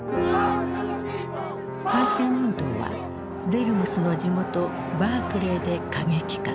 反戦運動はデルムスの地元バークレーで過激化。